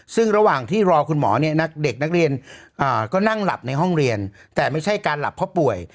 ซึ่งระหว่างที่รอคุณหมอเนี่ยนักเด็กนักเรียนก็นั่งหลับในห้องเรียนแต่ไม่ใช่การหลับเพราะป่วย